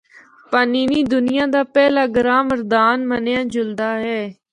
پانینی دُنیا دا پہلا گرامر دان منیا جُلدا ہے۔